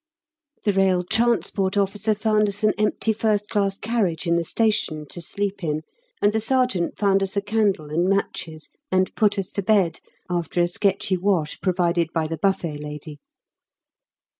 The R.T.O. found us an empty 1st class carriage in the station to sleep in, and the sergeant found us a candle and matches and put us to bed, after a sketchy wash provided by the buffet lady.